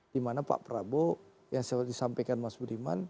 dimana pak prabowo yang seperti disampaikan mas budiman